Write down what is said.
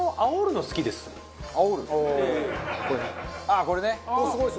ああこれね。